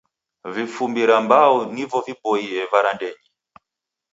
Vifumbi ra mbau nivo viboie varandenyi.